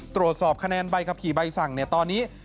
ตรวจสอบคะแนนใบขับขี่ใบสั่งตอนนี้